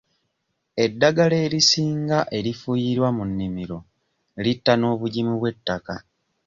Eddagala erisinga erifuuyirwa mu nnimiro litta n'obugimu bw'ettaka.